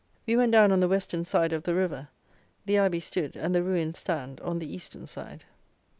We went down on the western side of the river. The Abbey stood, and the ruins stand, on the eastern side.